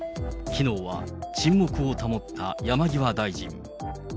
きのうは沈黙を保った山際大臣。